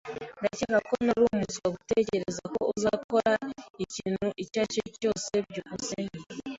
Ndakeka ko nari umuswa gutegereza ko uzakora ikintu icyo ari cyo cyose. byukusenge